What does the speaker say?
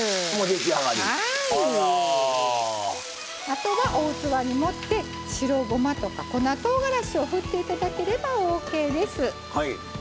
あとはお器に盛って白ごまとか粉とうがらしをふって頂ければＯＫです。